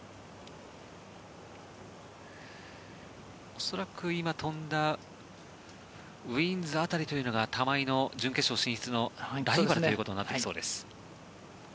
恐らく今、飛んだウィーンズ辺りというのが玉井の準決勝進出のライバルになってきそうです。